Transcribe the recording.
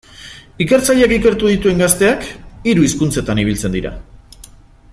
Ikertzaileak ikertu dituen gazteak hiru hizkuntzetan ibiltzen dira.